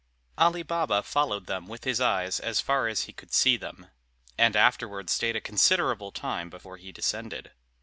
Ali Baba followed them with his eyes as far as he could see them, and afterward stayed a considerable time before he descended.